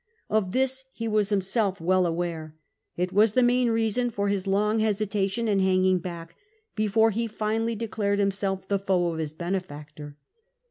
Of this he was himself well aware; it was the main reason for his long hesitation and hanging back, before he finally declared himself the foe of his bene factor.